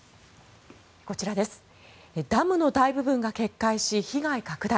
ダムの大部分が決壊し被害拡大